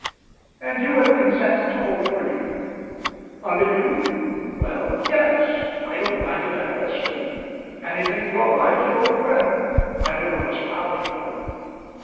"And you would consent to hold a brief?" "Under you? Well; yes. I don't mind it at Alston. Anything to oblige an old friend. I never was proud, you know."